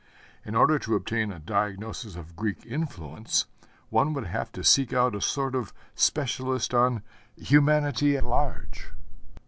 In order to obtain a diagnosis of Greek influence one would have to seek out a sort of specialist on Humanity at large.